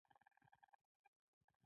یا شاید کوم یاږ دی چې هلته ګرځي